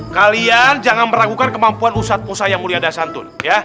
kalian jangan meragukan kemampuan ustadz ustadz yang mulia dan santun